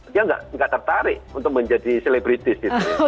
dia tidak tertarik untuk menjadi selebritis gitu